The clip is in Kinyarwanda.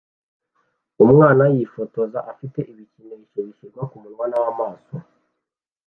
Umwana yifotoza afite ibikinisho bishyirwa kumunwa n'amaso